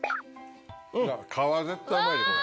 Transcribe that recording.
皮絶対うまいでこれ。